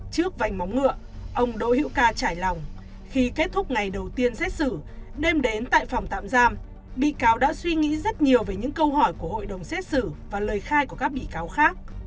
trước vành móng ngựa ông đỗ hữu ca trải lòng khi kết thúc ngày đầu tiên xét xử đêm đến tại phòng tạm giam bị cáo đã suy nghĩ rất nhiều về những câu hỏi của hội đồng xét xử và lời khai của các bị cáo khác